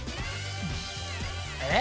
えっ？